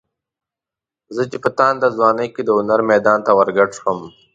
زه چې په تانده ځوانۍ کې د هنر میدان ته ورګډ شوم.